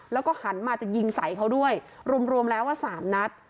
แล้วก็หันมาจะยิงใส่เขาด้วยรวมแล้วว่า๓นัด